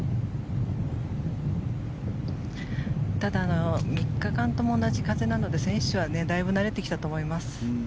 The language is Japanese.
ただ、３日間とも同じ風なので選手はだいぶ慣れてきたと思います。